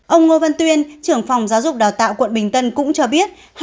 ông ngô văn tuyên trưởng phòng giáo dục đào tạo quận bình tân cũng cho biết